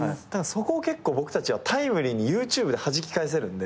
そこを結構僕たちはタイムリーにＹｏｕＴｕｂｅではじき返せるんで。